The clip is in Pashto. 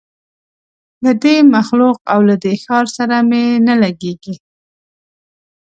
له دې مخلوق او له دې ښار سره مي نه لګیږي